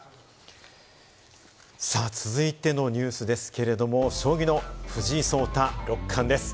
続いてのニュースですけれども、将棋の藤井聡太六冠です。